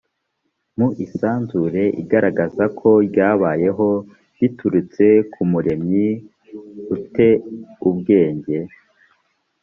mu isanzure igaragaza ko ryabayeho biturutse ku muremyi u te ubwenge